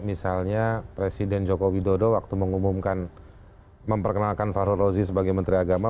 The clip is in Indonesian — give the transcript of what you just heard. misalnya presiden joko widodo waktu mengumumkan memperkenalkan fahrul rozi sebagai menteri agama